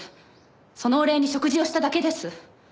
そのお礼に食事をしただけです。